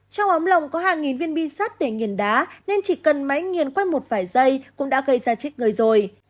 trong ống lồng có hàng nghìn viên bi sắt để nghiền đá nên chỉ cần máy nghiền quanh một vài giây cũng đã gây ra chết người rồi